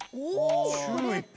チューリップ。